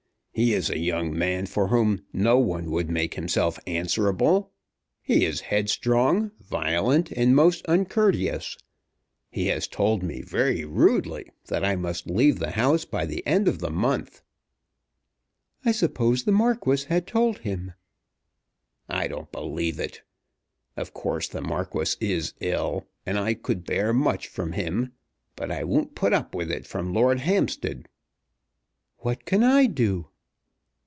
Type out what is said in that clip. He is a young man for whom no one would make himself answerable. He is head strong, violent, and most uncourteous. He has told me very rudely that I must leave the house by the end of the month." "I suppose the Marquis had told him." "I don't believe it. Of course the Marquis is ill, and I could bear much from him. But I won't put up with it from Lord Hampstead." "What can I do?"